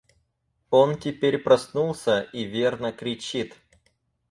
Он теперь проснулся и, верно, кричит.